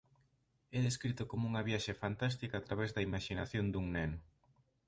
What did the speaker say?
É descrito como unha "viaxe fantástica a través da imaxinación dun neno".